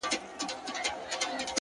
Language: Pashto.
د سترگو کسي چي دي سره په دې لوگيو نه سي؛